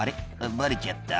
バレちゃった？